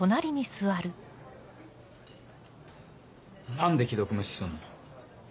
何で既読無視すんの？